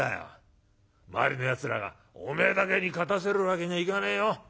周りのやつらが『おめえだけに勝たせるわけにはいかねえよ。